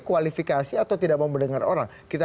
kualifikasi atau apa yang membuat itu